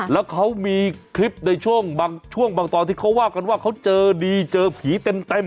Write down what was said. แล้วเขามีคลิปในช่วงบางช่วงบางตอนที่เขาว่ากันว่าเขาเจอดีเจอผีเต็ม